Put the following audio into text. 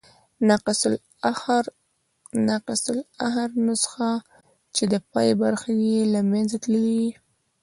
ناقص الاخرنسخه، چي د پای برخي ئې له منځه تللي يي.